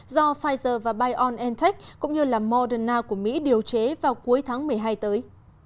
do pfizer và biontech cũng như là moderna của mỹ điều chế vào cuối tháng một mươi hai tới